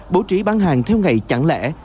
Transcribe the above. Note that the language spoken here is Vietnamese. bố trí bán hàng theo ngày chẳng lẽ